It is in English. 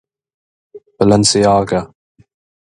He broke the Valencia site twice.